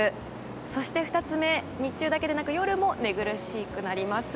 そして２つ目、日中だけでなく夜も寝苦しくなります。